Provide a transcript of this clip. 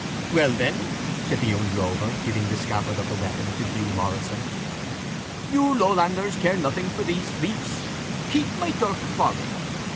"Well, then," said the young drover, giving the scabbard of the weapon to Hugh Morrison, "you Lowlanders care nothing for these freats. Keep my dirk for me.